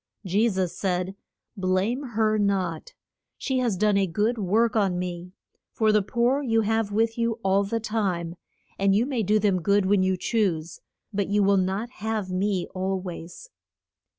Je sus said, Blame her not. She has done a good work on me. For the poor you have with you all the time, and you may do them good when you choose. But you will not have me al ways.